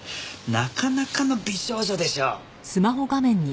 なかなかの美少女でしょ？